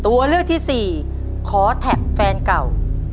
ตัวเลือกที่สี่ขอแท็กแฟนเก่า